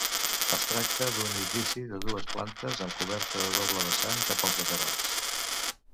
Es tracta d'un edifici de dues plantes amb coberta de doble vessant cap als laterals.